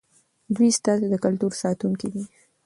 دوی ستاسې د کلتور ساتونکي دي.